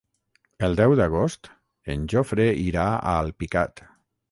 El deu d'agost en Jofre irà a Alpicat.